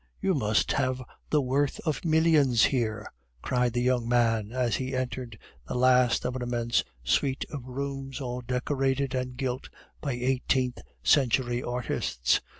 "You must have the worth of millions here!" cried the young man as he entered the last of an immense suite of rooms, all decorated and gilt by eighteenth century artists.